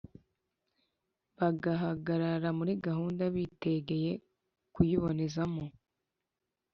bagahagarara kuri gahunda bitegeye kuyibonezamo.